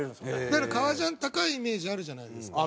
だから革ジャン高いイメージあるじゃないですか。